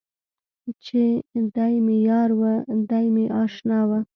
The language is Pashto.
چې دی مې یار و، دی مې اشنا و.